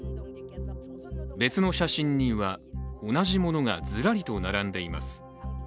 別の写真には、同じものがずらりと並んでいます。